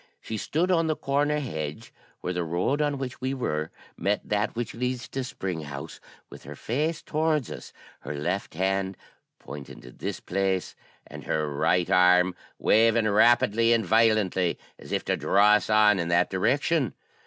She stood on the corner hedge, where the road on which we were met that which leads to Spring House, with her face towards us, her left hand pointing to this place, and her right arm waving rapidly and violently as if to draw us on in that direction.